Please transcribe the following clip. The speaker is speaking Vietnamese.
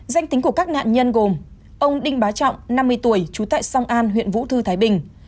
danh tính của các nạn nhân gồm ông đinh bá trọng năm mươi tuổi trú tại song an huyện vũ thư thái bình